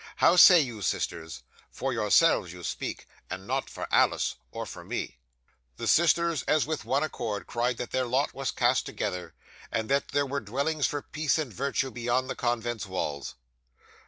How say you, sisters? For yourselves you speak, and not for Alice, or for me." 'The sisters, as with one accord, cried that their lot was cast together, and that there were dwellings for peace and virtue beyond the convent's walls.